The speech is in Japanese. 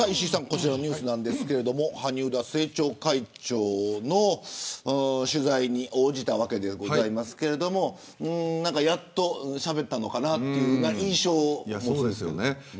こちらニュースですけど萩生田政調会長の取材に応じたわけですけどやっとしゃべったのかなという印象ですね。